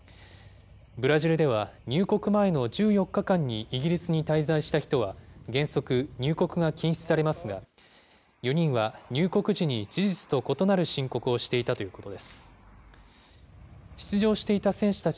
ブラジルでは入国前の１４日間にイギリスに滞在した人は、原則、入国が禁止されますが、４人は入国時に事実と異なる申告をしていたということです。